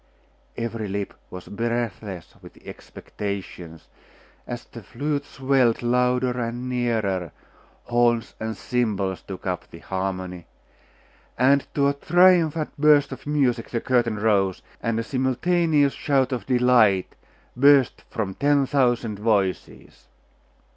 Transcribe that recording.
Every lip was breathless with expectation as the flutes swelled louder and nearer; horns and cymbals took up the harmony; and, to a triumphant burst of music, the curtain rose, and a simultaneous shout of delight burst from ten thousand voices.